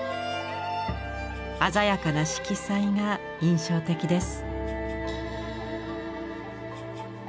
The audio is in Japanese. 鮮やかな色彩が印象的です。